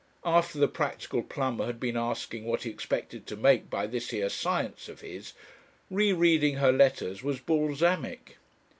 After the practical plumber had been asking what he expected to make by this here science of his, re reading her letters was balsamic.